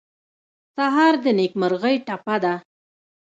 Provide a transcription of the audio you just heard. سهار د نېکمرغۍ ټپه ده.